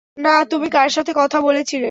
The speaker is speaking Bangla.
না তুমি কার সাথে কথা বলছিলে?